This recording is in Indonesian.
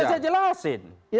kan sudah saya jelasin